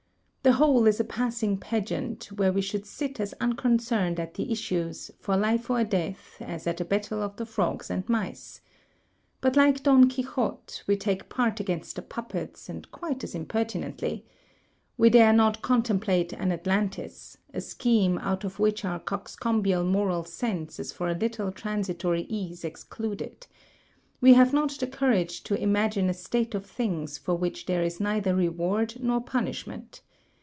"The whole is a passing pageant, where we should sit as unconcerned at the issues, for life or death, as at a battle of the frogs and mice. But like Don Quixote, we take part against the puppets, and quite as impertinently. We dare not contemplate an Atlantis, a scheme, out of which our cox combial moral sense is for a little transitory ease excluded. We have not the courage to imagine a state of things for which there is neither reward nor pimishment.